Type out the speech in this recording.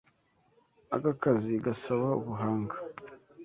Aka kazi gasaba ubuhanga.